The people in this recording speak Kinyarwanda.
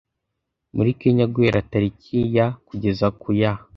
muri kenya guhera tariki ya kugeza ku ya